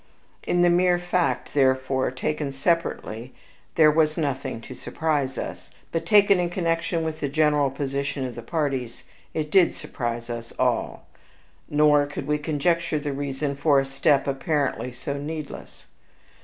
In the mere fact, therefore, taken separately, there was nothing to surprise us, but, taken in connection with the general position of the parties, it DID surprise us all; nor could we conjecture the reason for a step apparently so needless.